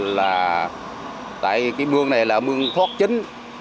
là tại cái mương này là mương thoát chính